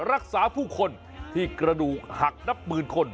รักษาผู้คนที่กระดูกหักนับหมื่นคน